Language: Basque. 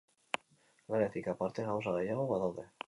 Lanetik aparte gauza gehiago badaude.